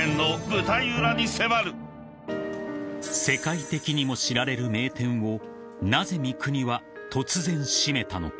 ［世界的にも知られる名店をなぜ三國は突然閉めたのか］